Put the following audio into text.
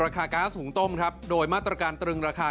กาสสูงต้มโดยมาตรการตรึงราคา